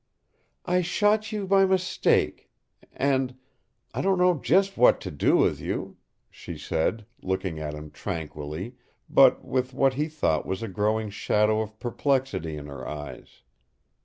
"I shot you by mistake and I don't know just what to do with you," she said, looking at him tranquilly, but with what he thought was a growing shadow of perplexity in her eyes.